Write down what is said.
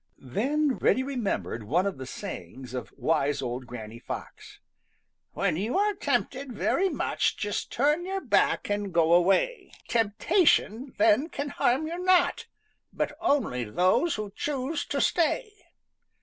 Then Reddy remembered one of the sayings of wise old Granny Fox: "When you are tempted very much Just turn your back and go away. Temptation then can harm you not, But only those who choose to stay."